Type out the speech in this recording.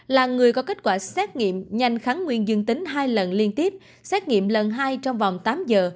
là người có kết quả xét nghiệm nhanh kháng nguyên dương tính hai lần liên tiếp xét nghiệm lần hai trong vòng tám giờ